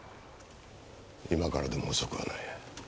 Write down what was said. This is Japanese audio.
今からでも遅くはない。